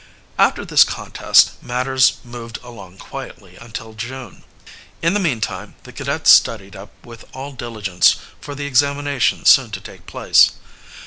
After this contest matters moved along quietly until June. In the meantime the cadets studied up with all diligence for the examinations soon to take place.